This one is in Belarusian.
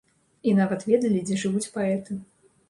І нават ведалі, дзе жывуць паэты.